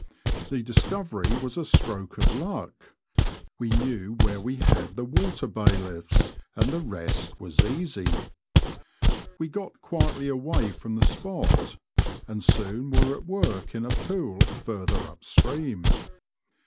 The dis covery was a stroke of luck. We knew where we had the water bailiffs, and the rest was easy. We got quietly away from the spot, and soon were at work in a pool further up stream.